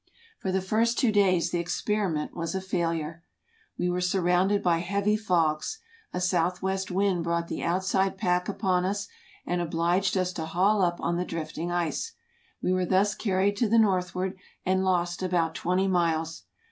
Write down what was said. For the first two days the experiment was a failure. We were surrounded by heavy fogs ; a south west wind brought the outside pack upon us, and obliged us to haul up on the drifting ice. We were thus carried to the northward, and lost about twenty miles.